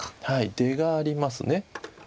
はい出があります。